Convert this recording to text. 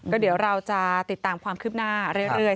ก็เดี๋ยวเราจะติดตามความคืบหน้าเรื่อย